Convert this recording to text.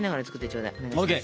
お願いします。